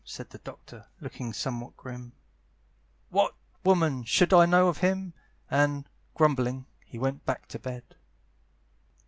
said The Doctor, looking somewhat grim, "What, woman! should I know of him?" And, grumbling, he went back to bed.